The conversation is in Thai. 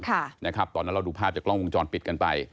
ตอนนั้นเราดูภาพจากกล้องวงจรปิดกันไป